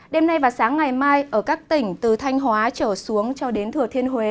đêm nay và sáng ngày mai ở các tỉnh từ thanh hóa trở xuống cho đến thừa thiên huế